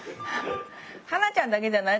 葉埜ちゃんだけじゃない？